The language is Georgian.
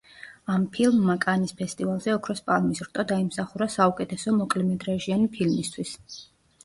ამ ფილმმა კანის ფესტივალზე ოქროს პალმის რტო დაიმსახურა საუკეთესო მოკლემეტრაჟიანი ფილმისთვის.